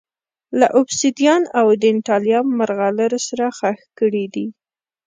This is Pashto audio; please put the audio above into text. له اوبسیدیان او ډینټالیم مرغلرو سره ښخ کړي دي